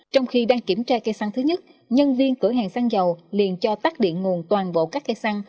trong khi đang kiểm tra cây xăng thứ nhất nhân viên cửa hàng xăng dầu liền cho tắt điện nguồn toàn bộ các cây xăng